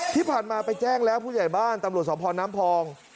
ที่ผ่านมาไปแจ้งแล้วผู้ใหญ่บ้านตำรวจสมพรน้ำพอง